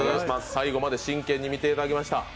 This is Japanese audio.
最後まで真剣に見ていただきました。